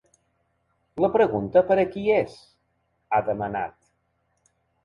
“La pregunta per a qui és?”, ha demanat.